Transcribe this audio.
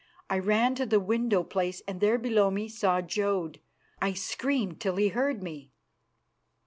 I ran to the window place and there below me saw Jodd. I screamed till he heard me.